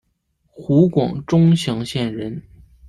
湖广钟祥县人。